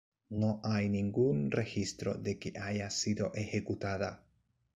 No hay ningún registro de que haya sido ejecutada.